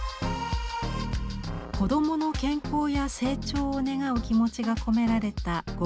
子どもの健康や成長を願う気持ちが込められた五月人形。